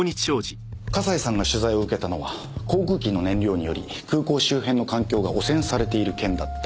笠井さんが取材を受けたのは航空機の燃料により空港周辺の環境が汚染されている件だった。